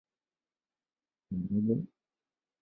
例如有些病人报告说在儿童时代曾遭受虐待和欺凌。